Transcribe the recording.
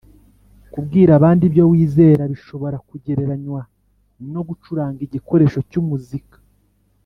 Kubwira abandi ibyo wizera bishobora kugereranywa no gucuranga igikoresho cy umuzika